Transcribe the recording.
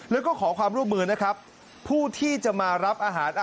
แล้วก็ขอความร่วมมือนะครับ